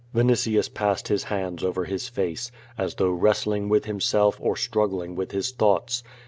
Vinitius passed his hands over his face, as though wrestling with himself or struggling with his thoughts.